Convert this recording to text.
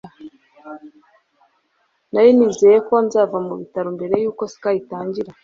nari nizeye ko nzava mu bitaro mbere yuko ski itangira